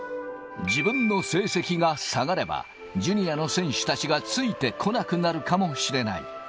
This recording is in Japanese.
自分の成績が下がれば、ジュニアの選手たちがついてこなくなるかもしれない。